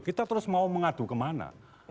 kita terus mau mengadu kemana